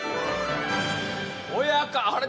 親方あれ？